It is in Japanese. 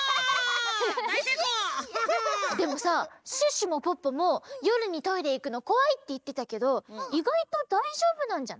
でもさシュッシュもポッポもよるにトイレいくのこわいっていってたけどいがいとだいじょうぶなんじゃない？